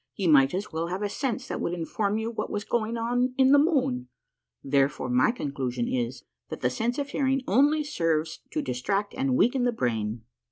Ye might as well have a sense that would inform you what was going on in the moon. Therefore, my conclusion is, that the sense of hearing only serves to distract and weaken the brain.